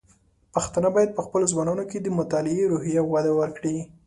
پښتانه بايد په خپلو ځوانانو کې د مطالعې روحيه وده ورکړي.